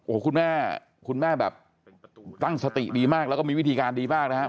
โอ้โหคุณแม่คุณแม่แบบตั้งสติดีมากแล้วก็มีวิธีการดีมากนะครับ